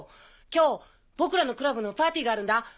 今日僕らのクラブのパーティーがあるんだ。